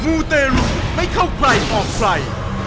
มูเตลูกไม่เข้าใครออกไฟ